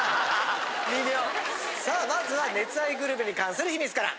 さあまずは熱愛グルメに関する秘密から。